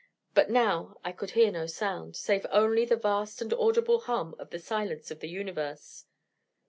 But now I could hear no sound, save only the vast and audible hum of the silence of the universe.